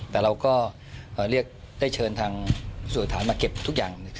แต่เราก็ได้เชิญทางสู่ฐานมาเก็บทุกอย่าง